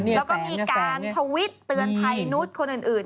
แล้วก็มีการทวิตเตือนภัยนุษย์คนอื่น